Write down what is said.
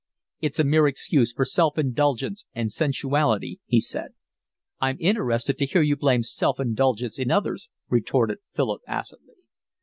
"It's a mere excuse for self indulgence and sensuality," he said. "I'm interested to hear you blame self indulgence in others," retorted Philip acidly.